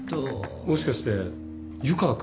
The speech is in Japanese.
もしかして湯川君？